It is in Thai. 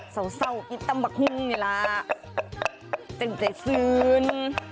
เซาเซากินตำบักหุ้งอย่างนี้ละจนใจซื้น